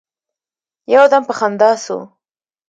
يو دم په خندا سو.